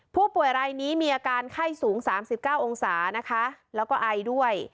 ผู้ป่วยรายนี้มีอาการไข้สูง๓๙องศานะคะแล้วก็ไอด้วย